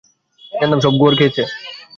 জানতাম সব শেয়ার করেছো!